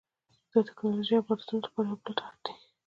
د ټکنالوژۍ او بازارونو لپاره یو بل ته اړ دي